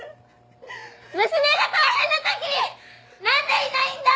娘が大変な時になんでいないんだー！